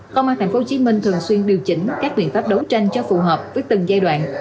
công an tp hcm thường xuyên điều chỉnh các biện pháp đấu tranh cho phù hợp với từng giai đoạn